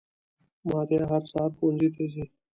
ماريه هر سهار ښوونځي ته ځي